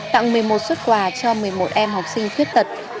tặng một mươi một xuất quà cho một mươi một em học sinh khuyết tật